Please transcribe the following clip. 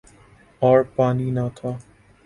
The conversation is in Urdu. اور پانی نہ تھا۔